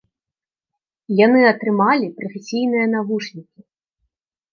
Яны атрымалі прафесійныя навушнікі.